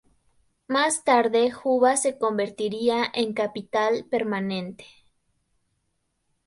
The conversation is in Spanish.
Más tarde Juba se convertiría en capital permanente.